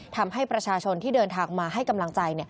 ทำให้ประชาชนที่เดินทางมาให้กำลังใจ